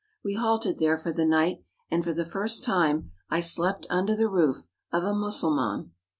We halted there for the night, and, for the first time, I slept under the roof of a Mussulman.